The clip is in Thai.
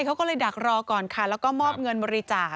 เขาก็เลยดักรอก่อนค่ะแล้วก็มอบเงินบริจาค